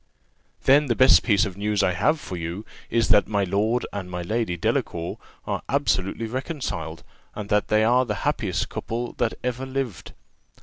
"Then, the first piece of news I have for you is, that my Lord and my Lady Delacour are absolutely reconciled; and that they are the happiest couple that ever lived."